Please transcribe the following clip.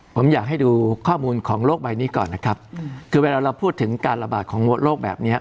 ผมอยากให้ดูข้อมูลของโลกใบนี้ก่อนนะครับคือเวลาเราพูดถึงการระบาดของโรคแบบเนี้ย